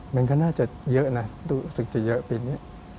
มันก็น่าจะเยอะนะรู้สึกจะเยอะปีนี้